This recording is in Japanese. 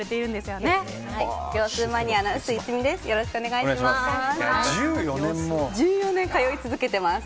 よろしくお願いします。